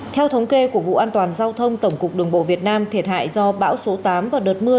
theo thống kê của vụ an toàn giao thông tổng cục đường bộ việt nam thiệt hại do bão số tám và đợt mưa